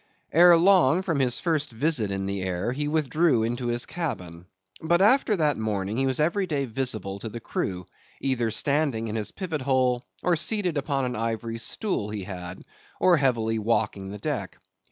Ere long, from his first visit in the air, he withdrew into his cabin. But after that morning, he was every day visible to the crew; either standing in his pivot hole, or seated upon an ivory stool he had; or heavily walking the deck.